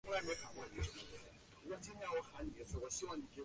他在车店里买了一部可以在驾驶室做爱的高档小车。